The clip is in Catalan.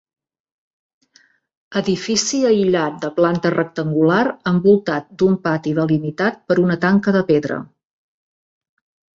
Edifici aïllat de planta rectangular envoltat d'un pati delimitat per una tanca de pedra.